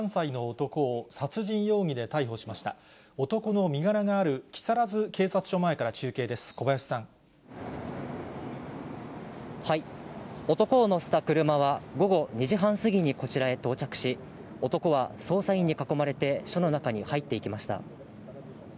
男を乗せた車は、午後２時半過ぎにこちらへ到着し、男は捜査員に囲まれて署の中に入っていきました。